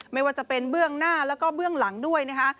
ไม่ว่าจะเป็นเบื้องหน้าแล้วก็เบื้องหลังด้วยนะคะ